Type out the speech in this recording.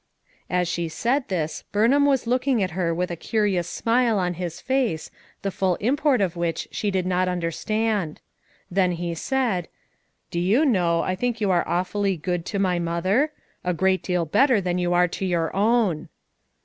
As she said this, Burnham was looking at her with a curious smile on his face, the full import of which she did not understand; then he said: "Do you know I think you are awfully good to my mother? a great deal better than you are to your own."